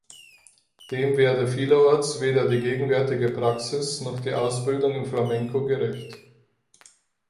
Dem werde vielerorts weder die gegenwärtige Praxis noch die Ausbildung im Flamenco gerecht.